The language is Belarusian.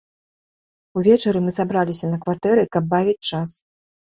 Увечары мы сабраліся на кватэры, каб бавіць час.